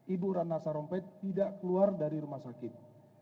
ibu ratna sarumpait tidak keluar dari rumah sakit